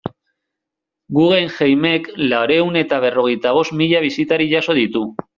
Guggenheimek laurehun eta berrogeita bost mila bisitari jaso ditu.